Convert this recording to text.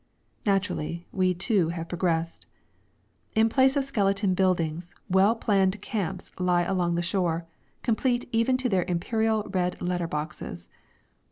Naturally, we too have progressed. In place of skeleton buildings, well planned camps lie along the shore, complete even to their Imperial red letter boxes.